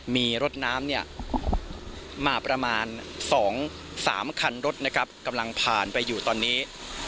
มีรถน้ำเนี่ยมาประมาณ๒๓คันรถนะครับกำลังผ่านไปอยู่ตอนนี้